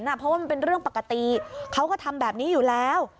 เพราะว่ามันเป็นเรื่องปกติเขาก็ทำแบบนี้อยู่แล้ว